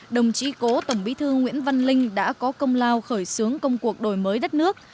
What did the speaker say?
đồng chí cố tổng bí thư nguyễn văn linh đã có công lao khởi xướng công cuộc đổi mới đất nước